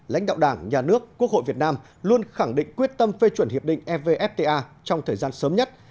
lãnh đạo đảng nhà nước quốc hội việt nam luôn khẳng định quyết tâm phê chuẩn hiệp định evfta trong thời gian sớm nhất